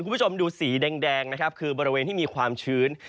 คุณผู้ชมดูสีแดงนะครับคือบริเวณที่มีความชื้น